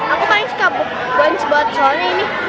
aku paling suka bounce board trampoline ini